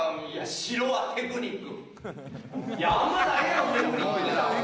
白はテクニック。